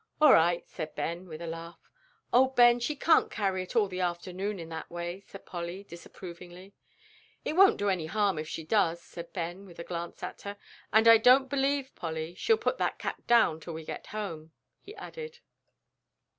"All right," said Ben, with a laugh. "Oh, Ben, she can't carry it all the afternoon in that way," said Polly, disapprovingly. "It won't do any harm if she does," said Ben, with a glance at her, "and I don't believe, Polly, she'll put that cat down till we get home," he added.